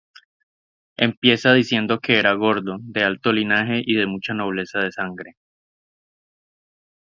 Empieza diciendo que era godo, de alto linaje y de mucha nobleza de sangre.